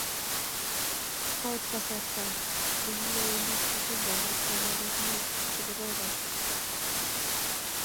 Koit kasarta nekilewenik atindonik taman ak muut che kororon